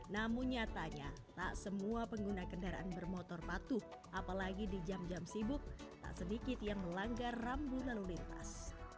namun nyatanya tak semua pengguna kendaraan bermotor patuh apalagi di jam jam sibuk tak sedikit yang melanggar rambu lalu lintas